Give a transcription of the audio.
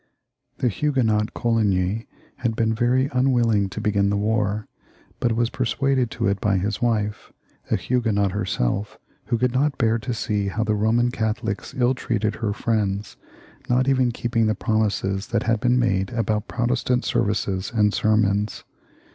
The Huguenot Coligny had been very unwilling to begin the war, but was persuaded to it by his wife, a Huguenot herself, who could not bear to see how the Eoman Catholics ill treated her friends, not even keeping the promises that had been made about Protestant services and sermons.